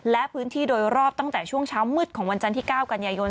และพื้นที่โดยรอบตั้งแต่ช่วงเช้ามืดของวันจันทร์ที่๙กันยายน